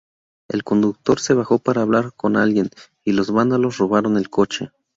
El conductor se bajó para hablar con alguien, y los vándalos robaron el coche.